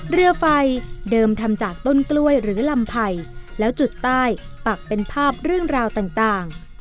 เรือไฟเดิมทำจากต้นกล้วยหรือลำไผ่แล้วจุดใต้ปักเป็นภาพเรื่องราวต่าง